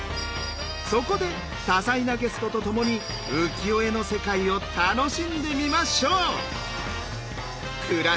そこで多彩なゲストとともに浮世絵の世界を楽しんでみましょう！